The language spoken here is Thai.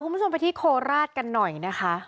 ผมพูดสมมติที่โคราชกันหน่อยนะคะ